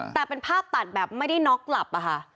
แต่เป็นภาพตัดแบบไม่ได้น็อกหลับอะค่ะ